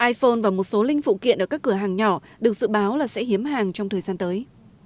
iphone và một số linh phụ kiện ở các cửa hàng nhỏ được dự báo là sẽ hiếm hàng trong thời gian tới